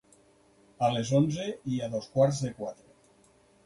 A les onze i a dos quarts de quatre.